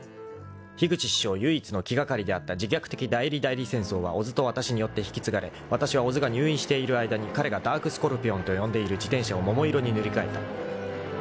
［樋口師匠唯一の気掛かりであった自虐的代理代理戦争は小津とわたしによって引き継がれわたしは小津が入院している間に彼がダークスコルピオンと呼んでいる自転車を桃色に塗り替えた］